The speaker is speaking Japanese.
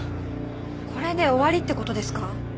これで終わりって事ですか？